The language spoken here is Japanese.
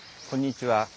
こんにちは。